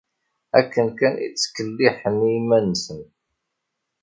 Akken kan i ttkelliḥen i iman-nsen.